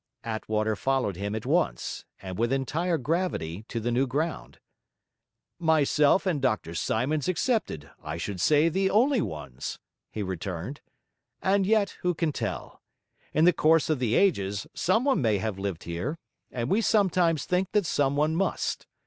Attwater followed him at once, and with entire gravity, to the new ground. 'Myself and Dr Symonds excepted, I should say the only ones,' he returned. 'And yet who can tell? In the course of the ages someone may have lived here, and we sometimes think that someone must.